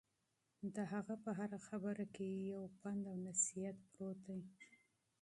د هغه په هره خبره کې یو پند او نصیحت پروت دی.